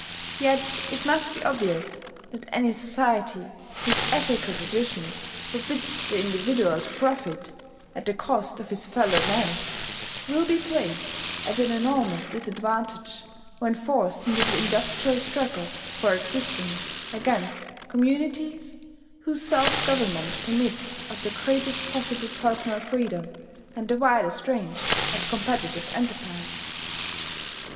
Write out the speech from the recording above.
Yet it must be obvious that any society whose ethical traditions forbid the individual to profit at the cost of his fellow men will be placed at an enormous disadvantage when forced into the industrial struggle for existence against communities whose self government permits of the greatest possible personal freedom, and the widest range of competitive enterprise.